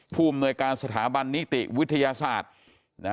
ผู้อำนวยการสถาบันนิติวิทยาศาสตร์